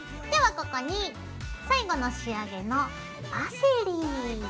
ではここに最後の仕上げのパセリ！